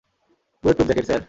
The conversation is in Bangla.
Bullet proof jacket, sir.